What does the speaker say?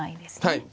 はい。